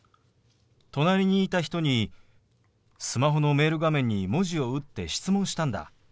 隣にいた人にスマホのメール画面に文字を打って質問したんだ。